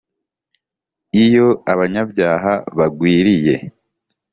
iyo abanyabyaha bagwiriye,